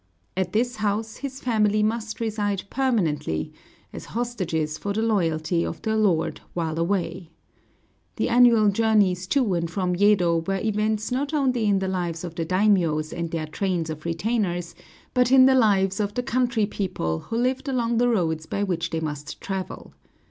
At this house, his family must reside permanently, as hostages for the loyalty of their lord while away. The annual journeys to and from Yedo were events not only in the lives of the daimiōs and their trains of retainers, but in the lives of the country people who lived along the roads by which they must travel.